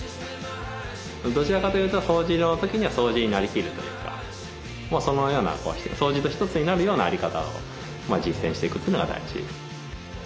どちらかというと掃除の時には掃除になりきるというかそのような掃除と一つになるようなあり方を実践していくというのが大事。